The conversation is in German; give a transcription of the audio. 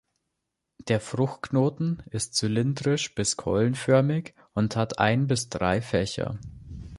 Der Fruchtknoten ist zylindrisch bis keulenförmig und hat ein bis drei Fächer.